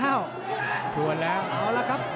เอาแล้วครับ